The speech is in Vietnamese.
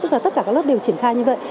tức là tất cả các lớp đều triển khai như vậy